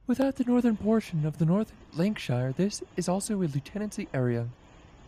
Without the northern portion of North Lanarkshire, this is also a Lieutenancy area.